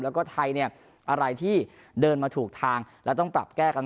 แล้วก็ไทยเนี่ยอะไรที่เดินมาถูกทางแล้วต้องปรับแก้กัน